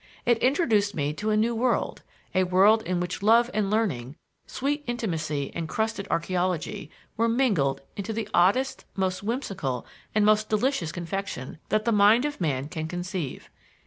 It introduced me to a new world a world in which love and learning, sweet intimacy and crusted archeology, were mingled into the oddest, most whimsical and most delicious confection that the mind of man can conceive.